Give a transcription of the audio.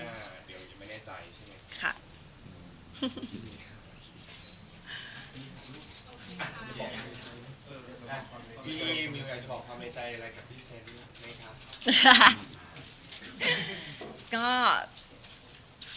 มิวอยากจะบอกความในใจอะไรกับพี่ซูอา